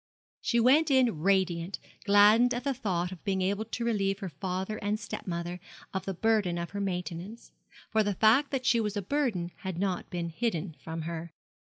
She went in radiant, gladdened at the thought of being able to relieve her father and step mother of the burden of her maintenance; for the fact that she was a burden had not been hidden from her.